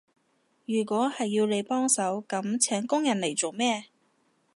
如果係要你幫手，噉請工人嚟做咩？